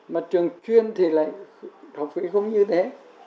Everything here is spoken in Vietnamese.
mà trường chuyên thì lại học phí không như thế